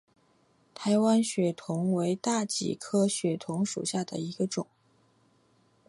台湾血桐为大戟科血桐属下的一个种。